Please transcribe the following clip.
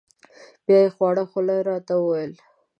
بیا یې په خواره خوله را ته و ویل: